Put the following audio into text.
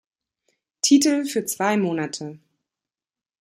Titel" für zwei Monate.